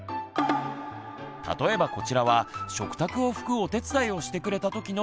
例えばこちらは食卓を拭くお手伝いをしてくれたときの札。